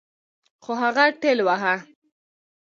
خو هغه ټېلوهه.